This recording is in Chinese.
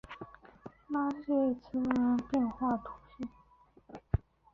拉谢兹人口变化图示